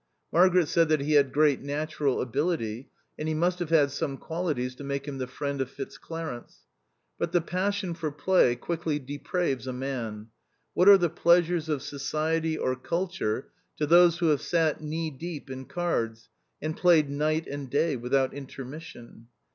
Margaret said that he had great natural ability, and he must have had some qualities to make him the friend of Fitzclarence. But the passion for play quickly depraves a man ; what are the pleasures of society or culture to those who have sat knee deep in cards, and played night and day without intermission